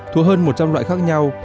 thua hơn một trăm linh loại khác nhau